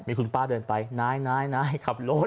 มีคุณป้าเดินไปนายนายขับรถ